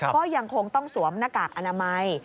ก็ยังคงต้องสวมหน้ากากอนามัย